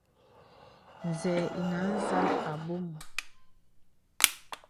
Zɛ̂ ìnə̀ à zàl àbɔ̄m.